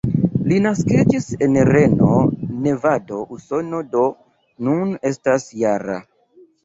Li naskiĝis en Reno, Nevado, Usono, do nun estas -jara.